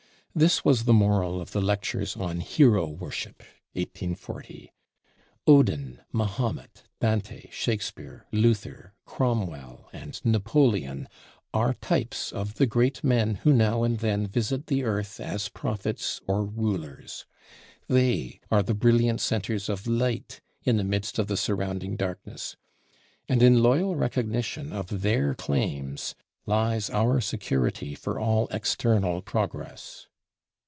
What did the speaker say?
This was the moral of the lectures on 'Hero Worship' (1840). Odin, Mahomet, Dante, Shakespeare, Luther, Cromwell, and Napoleon, are types of the great men who now and then visit the earth as prophets or rulers. They are the brilliant centres of light in the midst of the surrounding darkness; and in loyal recognition of their claims lies our security for all external progress.